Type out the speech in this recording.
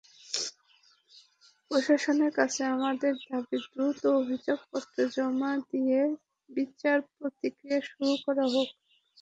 প্রশাসনের কাছে আমাদের দাবি, দ্রুত অভিযোগপত্র জমা দিয়ে বিচার-প্রক্রিয়া শুরু করা হোক।